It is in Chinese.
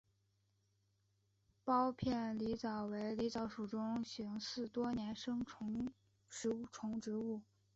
苞片狸藻为狸藻属中型似多年生食虫植物。